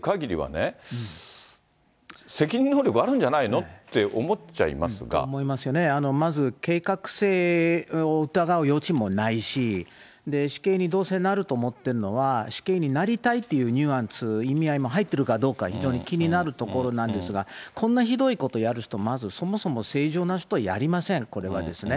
所持していた包丁は、邪魔する人がいたら襲うつもりだったと話しデーブさんね、まず計画性を疑う余地もないし、死刑にどうせなると思ってるのは、死刑になりたいというニュアンス、意味合いも入ってるかどうか、非常に気になるところなんですが、こんなひどいことやる人、まず、そもそも正常な人はやりません、これはですね。